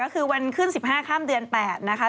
คือวันขึ้น๑๕ข้ามเดือน๘นะคะ